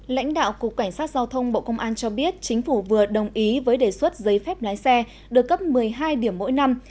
lãnh đạo cục cảnh sát giao thông bộ công an cho biết chính phủ vừa đồng ý với đề xuất giấy phép lái xe được cấp một mươi hai điểm mỗi năm